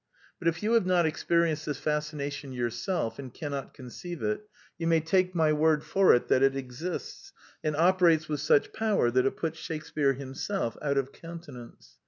But if you have not experienced this fascination yourself, and cannot conceive it, you may take my word for it that it exists, and oper ates with such power that it puts Shakespear him self out of countenance.